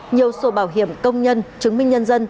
nhiều sổ bảo hiểm công nhân chứng minh nhân dân